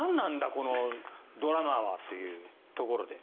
このドラマはというところで。